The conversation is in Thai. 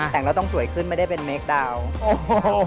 แต่งเราต้องสวยขึ้นไม่ได้เป็นเมคดาวน์